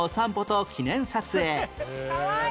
かわいい！